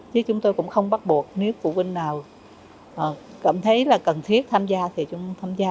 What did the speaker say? chứ chúng tôi cũng không bắt buộc nếu phụ huynh nào cảm thấy là cần thiết tham gia thì chúng tham gia